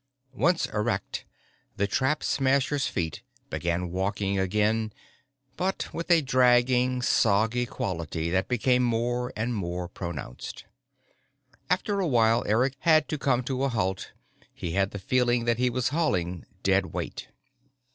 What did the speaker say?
Once erect, the Trap Smasher's feet began walking again, but with a dragging, soggy quality that became more and more pronounced. After a while, Eric had to come to a halt: he had the feeling that he was hauling dead weight.